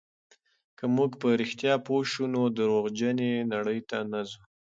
که موږ په رښتیا پوه شو، نو درواغجنې نړۍ ته نه ځو.